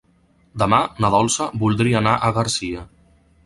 Demà na Dolça voldria anar a Garcia.